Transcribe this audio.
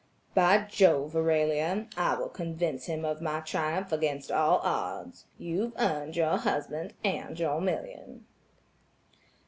"By jove, Aurelia, I will convince him of my triumph against all odds. You've earned your husband and your million."